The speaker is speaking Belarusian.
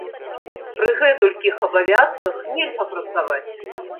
Пры гэтулькіх абавязках нельга працаваць!